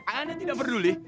ana tidak peduli